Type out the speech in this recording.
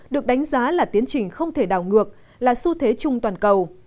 được đánh giá là tiến trình không thể đảo ngược là xu thế chung toàn cầu